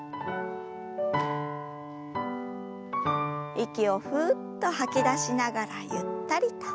息をふっと吐き出しながらゆったりと。